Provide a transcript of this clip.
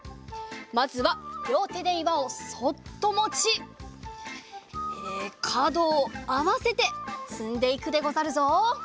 まずはりょうてで岩をそっともちえかどをあわせてつんでいくでござるぞ。